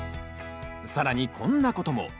更にこんなことも。